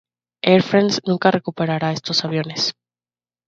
Air France nunca recuperará estos aviones.